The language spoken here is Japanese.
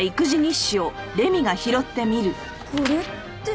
これって。